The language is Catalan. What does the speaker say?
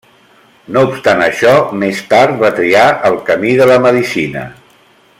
No obstant això, més tard va triar el camí de la medicina.